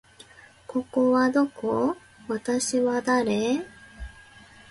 ここはどこ？私は誰？